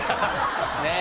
ねえ